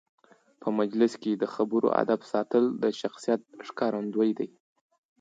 په مجلس کې د خبرو آدب ساتل د شخصیت ښکارندوی دی.